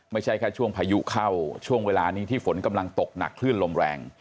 ไม่ใช่แค่ช่วงพายุเข้าช่วงเวลานี้ที่ฝนกำลังตกหนักคลื่นลมแรง